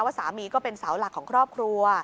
สามีก็เป็นเสาหลักของครอบครัว